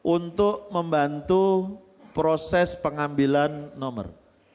untuk membantu proses pengambilan nomor